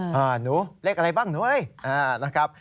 หนูเรียกอะไรบ้างหนู